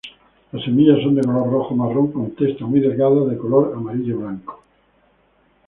Las semillas son de color rojo-marrón con testa muy delgada de color amarillo -blanco.